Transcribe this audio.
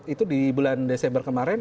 itu di bulan desember kemarin